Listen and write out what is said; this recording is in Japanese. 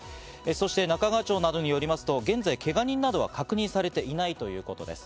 そして中川町などによりますと、現在けが人などは確認されていないということです。